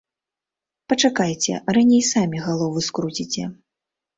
Пачакайце, раней самі галовы скруціце.